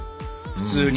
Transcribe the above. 普通に。